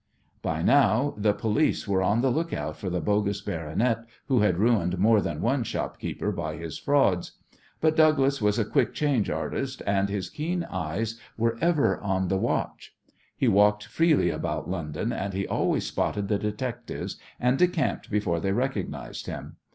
By now the police were on the look out for the bogus baronet who had ruined more than one shopkeeper by his frauds. But Douglas was a quick change artist, and his keen eyes were ever on the watch. He walked freely about London, and he always spotted the detectives, and decamped before they recognized him.